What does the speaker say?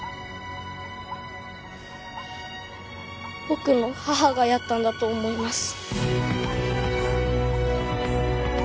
僕の母がやったんだと思います。